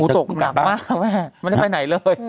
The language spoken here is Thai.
อู๋ตกหนักมากค่ะแม่มันจะไปไหนเลย